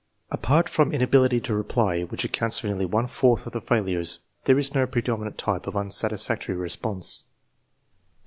Apart from inability to reply, which accounts for nearly one fourth of the failures, there is no predominant type of unsatis factory response.